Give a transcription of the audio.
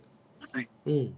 はい。